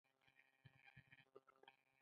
نفس څنګه کنټرول کړو؟